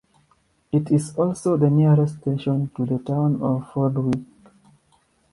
It is also the nearest station to the town of Fordwich.